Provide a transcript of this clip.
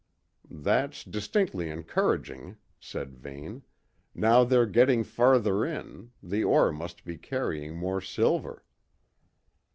'" "That's distinctly encouraging," said Vane. "Now they're getting farther in, the ore must be carrying more silver."